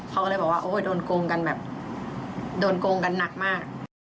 เขาก็เลยบอกว่าโอ้ยโดนโกงกันแบบโดนโกงกันหนักมาก